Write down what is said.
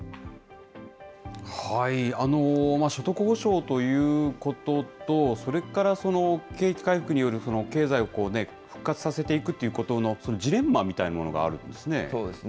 所得保障ということと、それから景気回復による経済を復活させていくということのジレンそうですね。